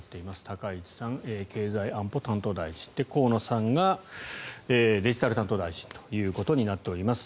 高市さん、経済安保担当大臣河野さんがデジタル担当大臣ということになっています。